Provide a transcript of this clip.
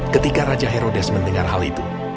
ketika raja herodes mendengar hal itu